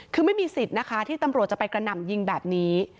คือไม่มีสิทธิ์นะคะที่ตำรวจจะไปกระหน่ำยิงแบบนี้